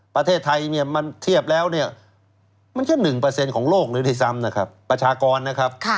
ประเทศไทยเทียบแล้วมันแค่๑ของโลกเลยทีซ้ำนะครับประชากรนะครับ